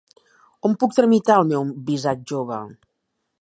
On puc tramitar el meu visat jove?